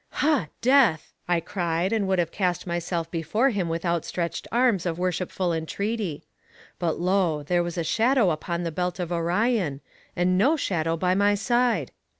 Ha! Death! I cried, and would have cast myself before him with outstretched arms of worshipful entreaty; but lo, there was a shadow upon the belt of Orion, and no shadow by my side!